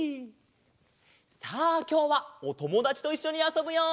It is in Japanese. さあきょうはおともだちといっしょにあそぶよ！